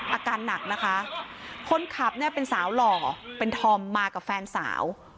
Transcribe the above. อาการหนักนะคะคนขับเนี่ยเป็นสาวหล่อเป็นธอมมากับแฟนสาว